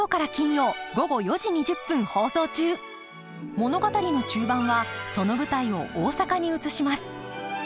物語の中盤はその舞台を大阪に移します。